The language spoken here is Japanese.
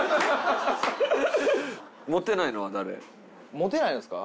モテないのですか？